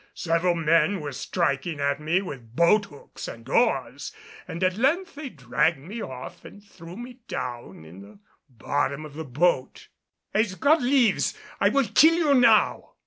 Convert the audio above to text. Several men were striking at me with boat hooks and oars, and at length they dragged me off and threw me down in the bottom of the boat. "As God lives I will kill you now!"